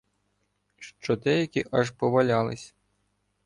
Що деякі аж повалялись...